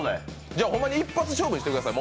じゃあ、ほんまに一発勝負にしてください。